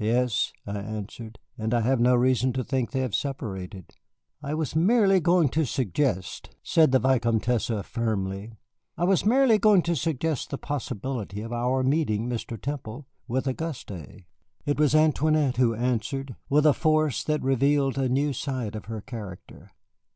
"Yes," I answered, "and I have no reason to think they have separated." "I was merely going to suggest," said the Vicomtesse, firmly, "I was merely going to suggest the possibility of our meeting Mr. Temple with Auguste." It was Antoinette who answered, with a force that revealed a new side of her character.